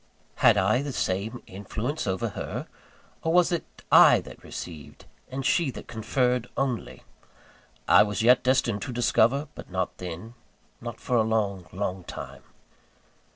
Had I the same influence over her? Or was it I that received, and she that conferred, only? I was yet destined to discover; but not then not for a long, long time.